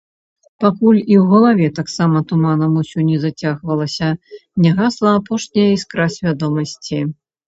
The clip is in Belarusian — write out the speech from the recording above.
Пакуль і ў галаве таксама туманам усё не зацягвалася, не гасла апошняя іскра свядомасці.